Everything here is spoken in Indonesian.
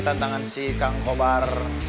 tantangan si kang kobar